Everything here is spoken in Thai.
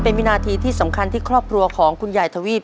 เป็นวินาทีที่สำคัญที่ครอบครัวของคุณยายทวีป